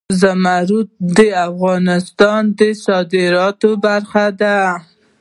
زمرد د افغانستان د صادراتو برخه ده.